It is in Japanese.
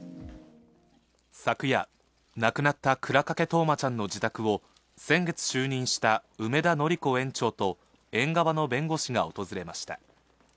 昨夜、亡くなった倉掛冬生ちゃんの自宅を、先月就任した梅田典子園長と、園側の弁護士が訪れました。